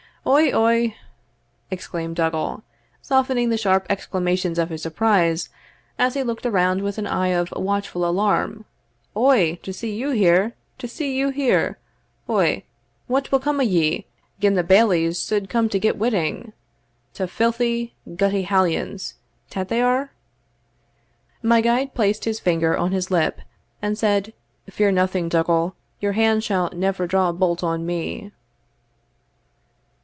"Oigh! oigh!" exclaimed Dougal, softening the sharp exclamations of his surprise as he looked around with an eye of watchful alarm "Oigh! to see you here to see you here! Oigh! what will come o' ye gin the bailies suld come to get witting ta filthy, gutty hallions, tat they are?" My guide placed his finger on his lip, and said, "Fear nothing, Dougal; your hands shall never draw a bolt on me."